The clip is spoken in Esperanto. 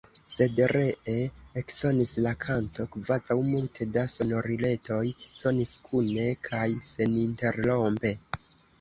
Sed ree eksonis la kanto, kvazaŭ multe da sonoriletoj sonis kune kaj seninterrompe.